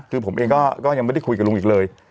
คือผมเองก็ยังไม่ได้คุยกับลุงอีกเลย